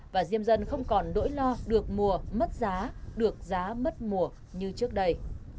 và diêm dân không còn nỗi lo được mùa mất giá được giá mất mùa như trước đây